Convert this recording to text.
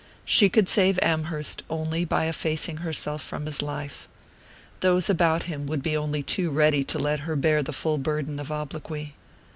She could save Amherst only by effacing herself from his life: those about him would be only too ready to let her bear the full burden of obloquy.